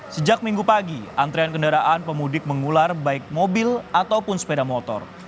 sejak minggu pagi antrean kendaraan pemudik mengular baik mobil ataupun sepeda motor